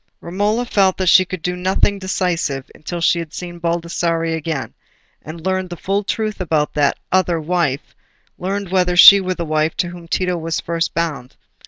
Romola felt that she could do nothing decisive until she had seen Baldassarre again, and learned the full truth about that "other wife"—learned whether she were the wife to whom Tito was first bound.